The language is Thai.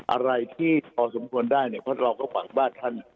อะไรที่พอสมควรได้เนี่ยเพราะเราก็หวังบ้านท่าน